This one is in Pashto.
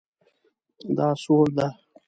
دا سوړ ده